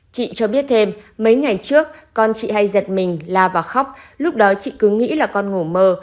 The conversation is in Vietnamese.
chị cho biết thêm mấy ngày trước con chị hay giật mình la và khóc lúc đó chị cứ nghĩ là con ngổ